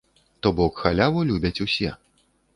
То бок, халяву любяць усе.